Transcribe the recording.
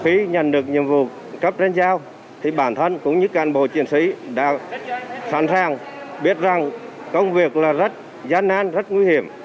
khi nhận được nhiệm vụ cấp trên giao thì bản thân cũng như cán bộ chiến sĩ đã sẵn sàng biết rằng công việc là rất gian nan rất nguy hiểm